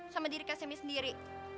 sama diri kak semi sendiri